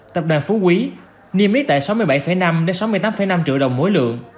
tập đoàn phú quý niêm yết tại sáu mươi bảy năm sáu mươi tám năm triệu đồng mỗi lượng